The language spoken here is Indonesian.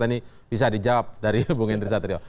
saya ingin tadi bisa dijawab dari bung hendri satrio